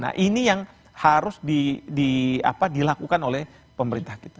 nah ini yang harus dilakukan oleh pemerintah kita